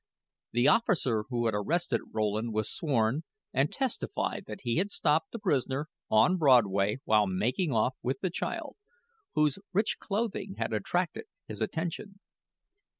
The officer who had arrested Rowland was sworn, and testified that he had stopped the prisoner on Broadway while making off with the child, whose rich clothing had attracted his attention.